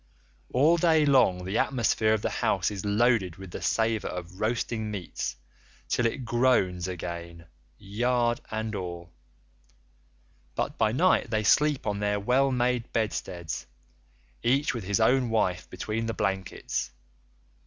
All day long the atmosphere of the house is loaded with the savour of roasting meats till it groans again, yard and all; but by night they sleep on their well made bedsteads, each with his own wife between the blankets.